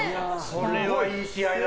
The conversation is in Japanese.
これはいい試合だ。